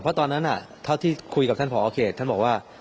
เพราะตอนนั้นเท่าที่คุยกับท่านผอเขตท่านบอกว่า